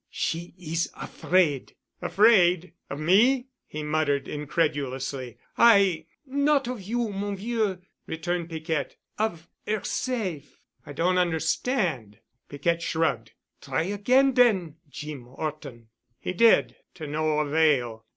She is afraid." "Afraid—of me?" he muttered incredulously. "I——" "Not of you, mon vieux," returned Piquette. "Of 'erself!" "I don't understand——" Piquette shrugged. "Try again den, Jeem 'Orton." He did—to no avail.